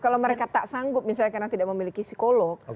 kalau mereka tak sanggup misalnya karena tidak memiliki psikolog